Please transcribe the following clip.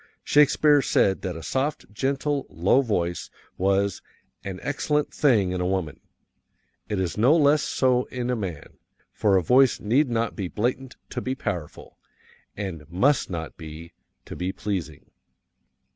Shakespeare said that a soft, gentle, low voice was "an excellent thing in woman;" it is no less so in man, for a voice need not be blatant to be powerful, and must not be, to be pleasing.